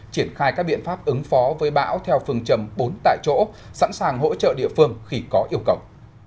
triển khai các biện pháp ứng phó với bão theo phương trầm bốn tại chỗ sẵn sàng hỗ trợ địa phương khi có yêu cầu